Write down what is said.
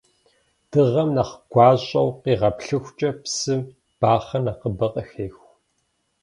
Дыгъэм нэхъ гуащӀэу къигъэплъыхукӀэ, псым бахъэ нэхъыбэ къыхеху.